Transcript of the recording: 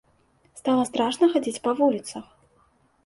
Стала страшна хадзіць па вуліцах!